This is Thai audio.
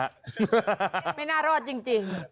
ไม่น่ารอดจริง